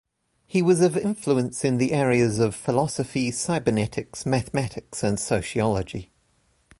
He was of influence in the areas of philosophy, cybernetics, mathematics, and sociology.